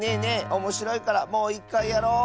おもしろいからもういっかいやろう！